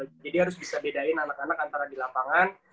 jadi harus bisa bedain anak anak antara di lapangan